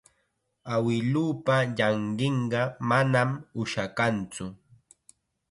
Awiluupa llanqinqa manam ushakantsu.